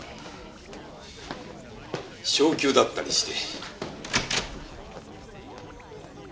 昇給だったりして。